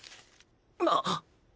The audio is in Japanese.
なっ。